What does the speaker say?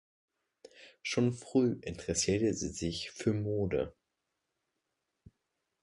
Schon früh interessierte sie sich für Mode.